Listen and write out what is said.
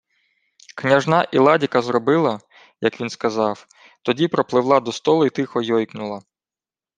Княжна Іладіка зробила, як він сказав, тоді пропливла до столу й тихо йойкнула: